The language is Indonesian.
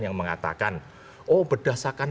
yang dikatakan oh berdasarkan